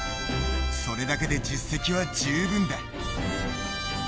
それだけで実績は十分だ。